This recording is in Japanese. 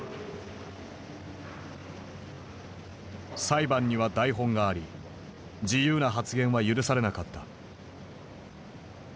裁判には台本があり自由な発言は許されなかった。